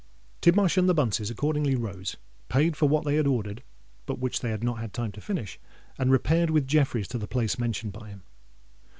Tidmarsh and the Bunces accordingly rose, paid for what they had ordered, but which they had not time to finish, and repaired with Jeffreys to the place mentioned by him.